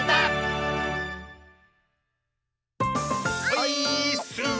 オイーッス！